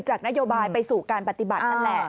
จากนโยบายไปสู่การปฏิบัตินั่นแหละ